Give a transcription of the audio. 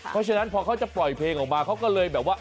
เพราะฉะนั้นพอเขาจะปล่อยเพลงออกมาเขาก็เลยแบบว่า